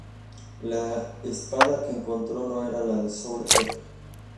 La espada que encontró no era la Soul Edge.